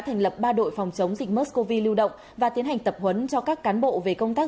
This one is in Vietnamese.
thành lập ba đội phòng chống dịch merscow lưu động và tiến hành tập huấn cho các cán bộ về công tác